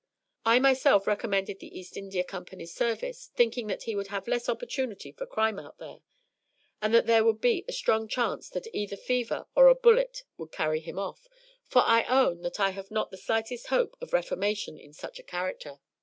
I myself recommended the East India Company's service, thinking that he would have less opportunity for crime out there, and that there would be a strong chance that either fever or a bullet would carry him off, for I own that I have not the slightest hope of reformation in such a character."